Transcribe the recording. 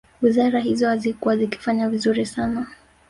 Wizara hizo hazikuwa zikifanya vizuri sana